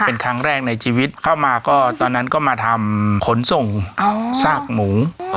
เป็นครั้งแรกในชีวิตเข้ามาก็ตอนนั้นก็มาทำขนส่งซากหมู